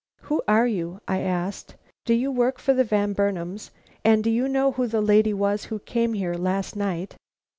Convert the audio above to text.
"Who are you?" I asked. "Do you work for the Van Burnams, and do you know who the lady was who came here last night?"